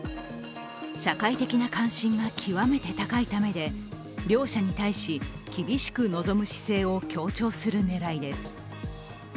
社会的な関心が極めて高いためで両社に対し厳しく臨む姿勢を強調する狙いです。